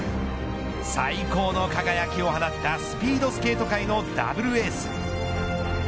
最高の輝きを放ったスピードスケート界のダブルエース。